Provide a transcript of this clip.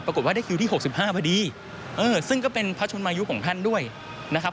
ปรากฏว่าได้คิวที่๖๕พอดีเออซึ่งก็เป็นพระชนมายุของท่านด้วยนะครับ